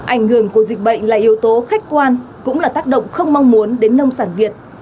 ảnh hưởng của dịch bệnh là yếu tố khách quan cũng là tác động không mong muốn đến nông sản việt